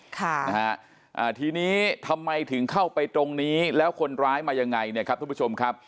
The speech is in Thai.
ค่ะนะฮะอ่าทีนี้ทำไมถึงเข้าไปตรงนี้แล้วคนร้ายมายังไงเนี่ยครับทุกผู้ชมครับ